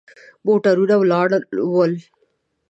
موټرونه ولاړ ول.